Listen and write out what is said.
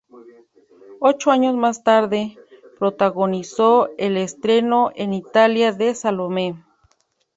Ocho años más tarde, protagonizó el estreno en Italia de "Salome.